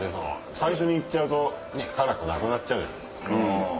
最初に行っちゃうと辛くなくなるじゃないですか。